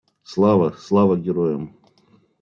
Слава, Слава героям!!!